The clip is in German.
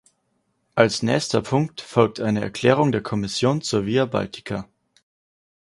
Als nächster Punkt folgt eine Erklärung der Kommission zur Via Baltica.